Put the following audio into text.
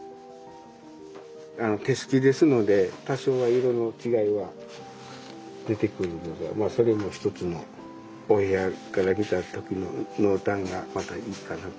手すきですので多少は色の違いは出てくるのがそれもひとつのお部屋から見た時の濃淡がまたいいかなと思うんです。